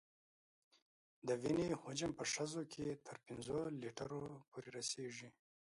د وینې حجم په ښځو کې تر پنځو لیترو پورې رسېږي.